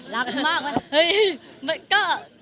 รักเค้ามากรักเค้ามาก